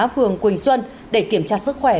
phường quỳnh xuân để kiểm tra sức khỏe